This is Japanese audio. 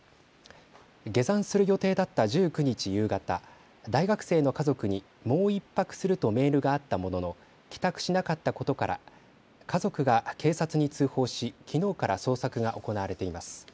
下山する予定だった１９日夕方、大学生の家族にもう１泊するとメールがあったものの帰宅しなかったことから家族が警察に通報し、きのうから捜索が行われています。